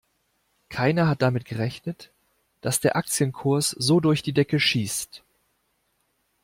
Keiner hat damit gerechnet, dass der Aktienkurs so durch die Decke schießt.